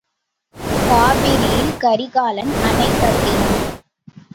காவிரியில் கரிகாலன் அணை கட்டினான்!